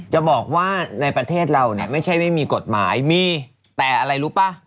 จะบอกว่าในประเทศเราเนี่ยไม่ใช่ไม่มีกฎหมายมีแต่อะไรรู้ป่ะ